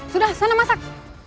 sudah sana masak